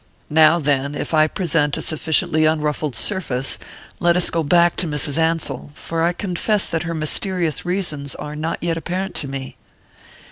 "Now, then, if I present a sufficiently unruffled surface, let us go back to Mrs. Ansell for I confess that her mysterious reasons are not yet apparent to me."